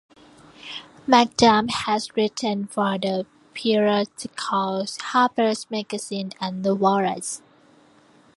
McAdam has written for the periodicals "Harper's Magazine" and "The Walrus".